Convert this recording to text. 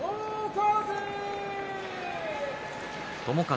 友風。